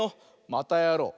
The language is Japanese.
またやろう！